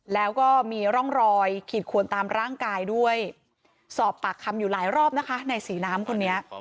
แล้วก็มีร่องรอยขีดขวนตามร่างกายด้วยสอบปากคำอยู่หลายรอบนะคะในศรีน้ำคนนี้